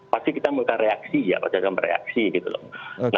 pasti kita melakukan reaksi ya pasti kita bereaksi gitu lho